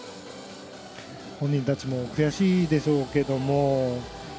本人たちも悔しいでしょうけども。